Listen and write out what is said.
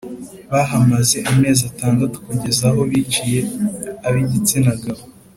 Bahamaze amezi atandatu kugeza aho biciye ab igitsina gabo